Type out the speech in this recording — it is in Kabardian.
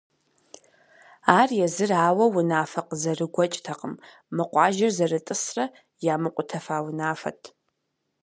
Ар езыр ауэ унафэ къызэрыгуэкӏтэкъым — мы къуажэр зэрытӏысрэ ямыкъутэфа унафэт.